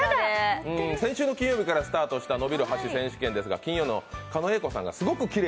先週の金曜日からスタートした伸びる箸選手権ですが金曜の狩野英孝さんがすっごいキレ